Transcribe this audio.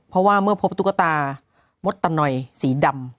เพราะว่าเมื่อพบตุ๊กตามดตะนอยสีดำ